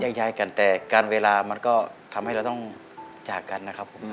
ย้ายกันแต่การเวลามันก็ทำให้เราต้องจากกันนะครับผม